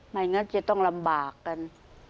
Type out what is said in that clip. ไม่งั้นจะต้องลำบากกัน